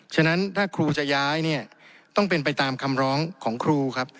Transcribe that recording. ฉะนั้นถ้าครูจะย้ายเนี่ยต้องเป็นไปตามคำร้องของครูครับ